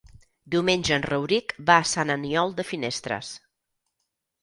Diumenge en Rauric va a Sant Aniol de Finestres.